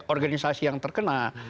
organisasi yang terkena